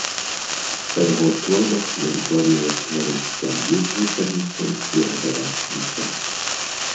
Па яго словах, ён плануе стварыць сям'ю з вучаніцай і гадаваць дзіця.